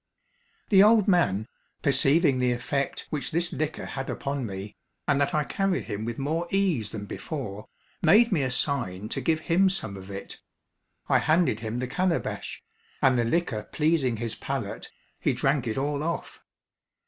The old man, perceiving the effect which this liquor had upon me, and that I carried him with more ease than before, made me a sign to give him some of it. I handed him the calabash, and the liquor pleasing his palate, he drank it all off.